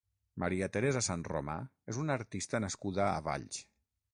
Maria Teresa Sanromà és una artista nascuda a Valls.